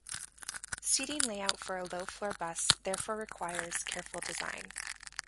Seating layout for a low-floor bus therefore requires careful design.